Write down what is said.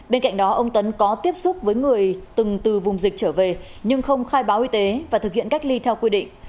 bên cạnh đó ông tấn có tiếp xúc với người từng từ vùng dịch trở về nhưng không khai báo y tế và thực hiện cách ly theo quy định